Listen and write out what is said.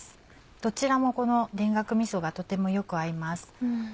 どちらも田楽みそがとてもよく合います。